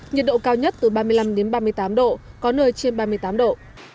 nhiệt độ cao nhất từ ba mươi năm đến ba mươi tám độ có nơi trên ba mươi tám độ